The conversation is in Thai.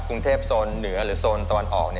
กรุงเทพโซนเหนือหรือโซนตะวันออก